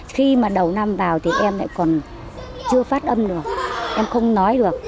khi mà đầu năm vào thì em lại còn chưa phát âm được em không nói được